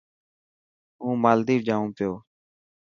هون مالديپ جائون پيو.